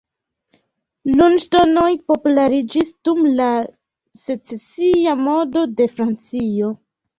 Lunŝtonoj populariĝis dum la Secesia modo de Francio.